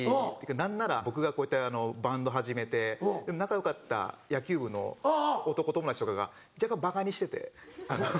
何なら僕がこういったバンド始めて仲良かった野球部の男友達とかが若干ばかにしててあの。